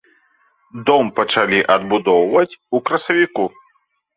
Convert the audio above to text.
Дом пачалі адбудоўваць у красавіку.